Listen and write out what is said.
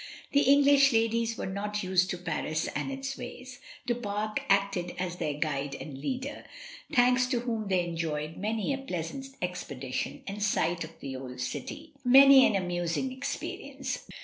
The English ladies were not used to Paris and its ways. Du Pare acted as their guide and leader, thanks to whom they enjoyed many a pleasant expedition and sight of the old city, many an amusing experience.